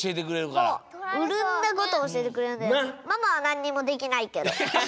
ママはなんにもできないけど。